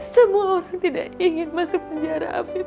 semua orang tidak ingin masuk penjara afib